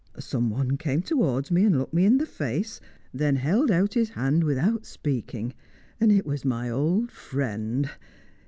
Someone came towards me, and looked me in the face, then held out his hand without speaking; and it was my old friend.